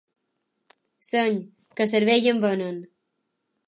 Seny, que cervell en venen.